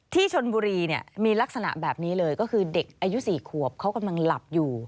ที่ชนบุรีเนี่ยมีลักษณะแบบนี้เลยก็คือเด็กอายุ๔ขวบเขากำลังหลับอยู่